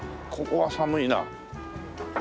ここは寒いな。